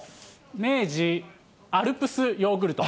明治アルプスヨーグルト。